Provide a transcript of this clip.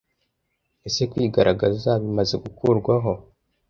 Ese kwigaragaza bimaze gukurwaho.